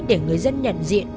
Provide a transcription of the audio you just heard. để người dân nhận diện